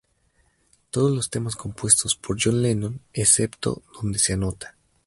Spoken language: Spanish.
Todos los temas compuestos por John Lennon excepto donde se anota.